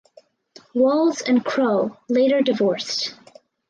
Walls and Crowe later divorced.